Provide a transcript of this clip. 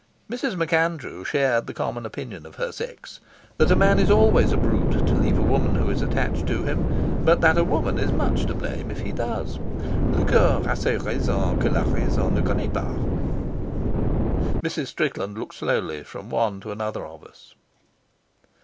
Mrs. MacAndrew shared the common opinion of her sex that a man is always a brute to leave a woman who is attached to him, but that a woman is much to blame if he does. Mrs. Strickland looked slowly from one to another of us.